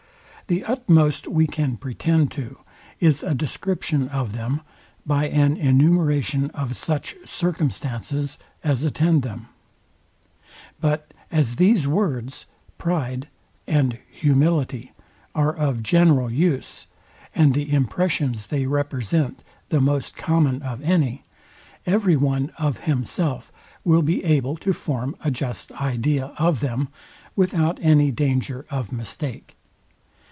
The utmost we can pretend to is a description of them, by an enumeration of such circumstances, as attend them: But as these words, PRIDE and humility, are of general use, and the impressions they represent the most common of any, every one, of himself, will be able to form a just idea of them, without any danger of mistake.